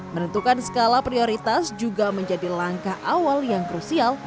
menentukan skala prioritas juga menjadi langkah awal yang krusial